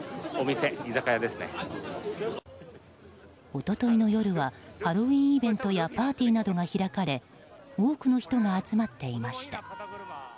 一昨日の夜はハロウィーンイベントやパーティーなどが開かれ多くの人が集まっていました。